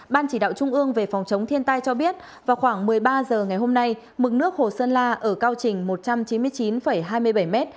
ban chỉ đạo trung ương về phòng chống thiên tai cho biết vào khoảng một mươi ba h ngày hôm nay mực nước hồ sơn la ở cao trình một trăm chín mươi chín hai mươi bảy m